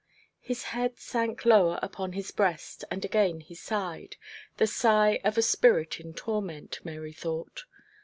His head sank lower upon his breast, and again he sighed, the sigh of a spirit in torment, Mary thought.